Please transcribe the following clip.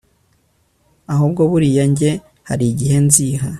ahubwo buriya njye harigihe nziha